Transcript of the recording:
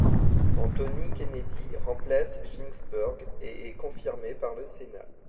Anthony Kennedy remplace Ginsburg et est confirmé par le Sénat.